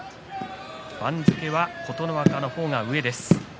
番付は琴ノ若の方が上です。